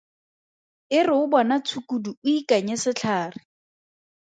E re o bona tshukudu o ikanye setlhare!